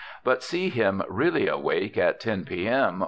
But see him really awake at 10 P. M.